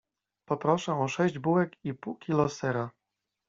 Poproszę o sześć bułek i pół kilo sera.